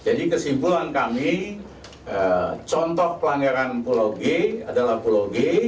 jadi kesimpulan kami contoh pelanggaran pulau g adalah pulau g